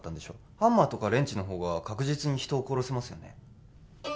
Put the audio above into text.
ハンマーとかレンチの方が確実に人を殺せますよね